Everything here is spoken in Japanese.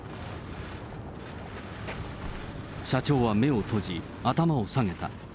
社長は目を閉じ、頭を下げた。